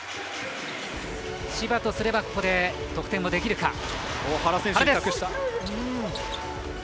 千葉とすればここで得点をできるか。